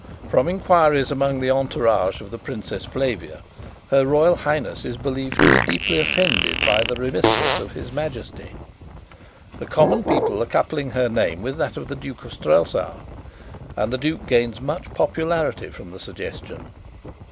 From enquiries among the entourage of the Princess Flavia, her Royal Highness is believed to be deeply offended by the remissness of his Majesty. The common people are coupling her name with that of the Duke of Strelsau, and the duke gains much popularity from the suggestion.